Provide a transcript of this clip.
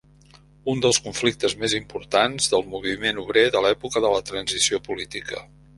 Un dels conflictes més importants del moviment obrer de l'època de la Transició política.